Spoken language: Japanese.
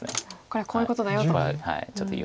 「これはこういうことだよ」と。